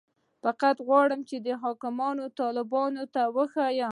فقط غواړي چې حاکمو طالبانو ته وښيي.